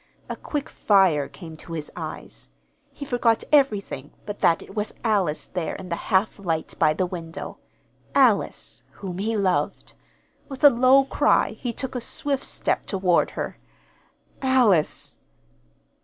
A quick fire came to his eyes. He forgot everything but that it was Alice there in the half light by the window Alice, whom he loved. With a low cry he took a swift step toward her. "Alice!"